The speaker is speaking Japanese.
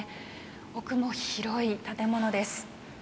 奥も広い建物です。